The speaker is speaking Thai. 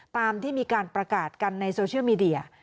ตามที่มีการประกาศกันในโซเชียลมีเดีย